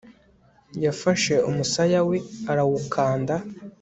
yafashe umusaya we arawukanda